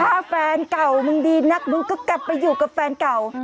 ถ้าแฟนเก่ามึงดีนักมึงก็กลับไปอยู่กับแฟนเก่า